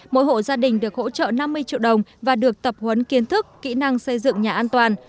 mỗi hộ gia đình được hỗ trợ năm mươi triệu đồng và được tập huấn kiến thức kỹ năng xây dựng nhà an toàn